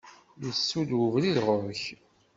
Isudd ubrid ɣur-k.